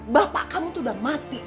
bapak kamu tuh udah mati